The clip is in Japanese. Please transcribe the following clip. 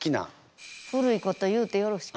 古いこと言うてよろしか？